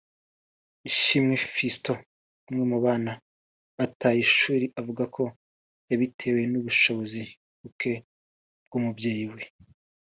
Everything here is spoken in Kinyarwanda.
Ishimwe Fiston umwe mu bana bataye ishuri avuga ko yabitewe n’ubushobozi buke bw’umubyeyi we